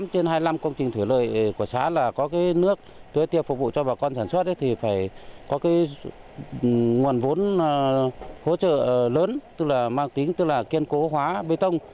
một mươi trên hai mươi năm công trình thủy lợi của xã là có cái nước tưới tiêu phục vụ cho bà con sản xuất thì phải có cái nguồn vốn hỗ trợ lớn tức là mang tính tức là kiên cố hóa bê tông